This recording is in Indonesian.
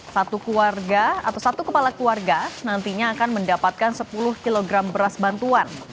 satu keluarga atau satu kepala keluarga nantinya akan mendapatkan sepuluh kg beras bantuan